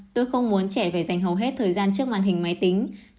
tôi không muốn trẻ phải dành hầu hết thời gian trước màn hình máy tính